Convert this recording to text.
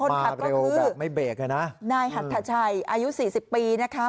มาเร็วแบบไม่เบรกเลยนะคนขับก็คือนายฮัทธาชัยอายุ๔๐ปีนะคะ